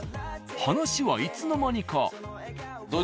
話はいつの間にか。